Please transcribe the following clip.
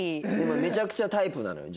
めちゃくちゃタイプなのよ